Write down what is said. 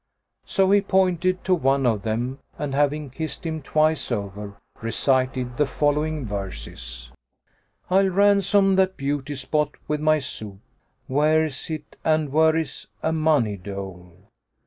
So he pointed to one of them and, having kissed him twice over, recited the following verses, "I'll ransom that beauty spot with my soup; * Where's it and where is a money dole?